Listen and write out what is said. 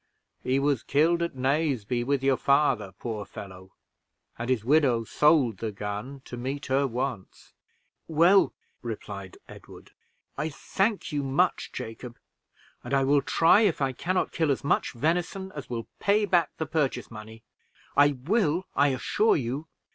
He was killed at Naseby, with your father, poor fellow! and his widow sold the gun to meet her wants." "Well," replied Edward, "I thank you much, Jacob, and I will try if I can not kill as much venison as will pay you back the purchase money I will, I assure you."